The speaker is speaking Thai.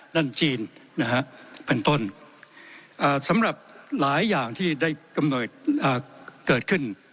ด้านจีนเป็นต้นสำหรับหลายอย่างที่ได้เกิดขึ้น